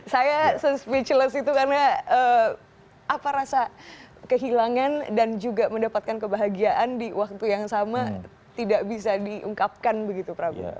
saya se speechless itu karena apa rasa kehilangan dan juga mendapatkan kebahagiaan di waktu yang sama tidak bisa diungkapkan begitu prabu